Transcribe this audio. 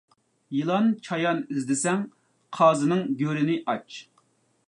يىلان-چايان ئىزدىسەڭ، قازىنىڭ گۆرىنى ئاچ.